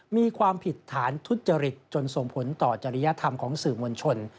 มีความผิดฐานทุจริตจนส่งผลต่อจริยธรรมของสื่อมวลชน